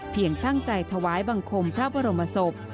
ตั้งใจถวายบังคมพระบรมศพ